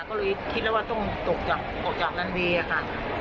ก็เลยคิดแล้วว่าต้องตกจากออกจากลันเวย์ค่ะ